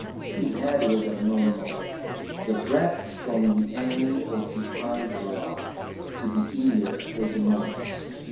His head was abnormal. The breadth from the end of the eyebrow to the ear was enormous.